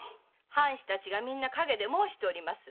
藩士たちが陰で申しております。